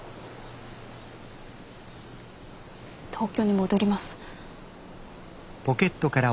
東京に戻ります。